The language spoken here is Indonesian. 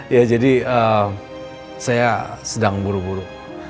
ya jadi saya sedang buru buru